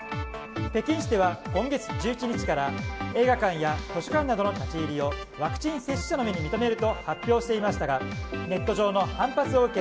北京市では今月１１日から映画館や図書館などの立ち入りをワクチン接種者のみに認めると発表していましたがネット上の反発を受け